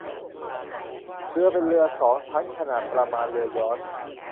เรือเป็นเรือ สอง ชั้นขนาดประมาณเรือยอร์ช